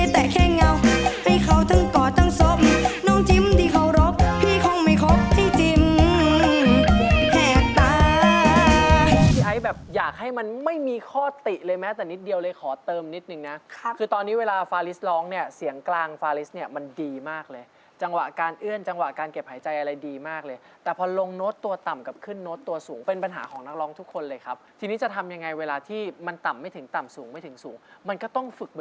ที่ไอ้แบบอยากให้มันไม่มีข้อติเลยแม้แต่นิดเดียวเลยขอเติมนิดนึงนะค่ะคือตอนนี้เวลาฟาลิสร้องเนี่ยเสียงกลางฟาลิสเนี่ยมันดีมากเลยจังหวะการเอื้อนจังหวะการเก็บหายใจอะไรดีมากเลยแต่พอลงโน้ตตัวต่ำกับขึ้นนโต๊ะตัวสูงเป็นปัญหาของนักร้องทุกคนเลยครับทีนี้จะทำยังไงเวลาที่มันต่ำไม่ถึงต